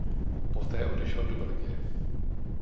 Poté odešel do Belgie.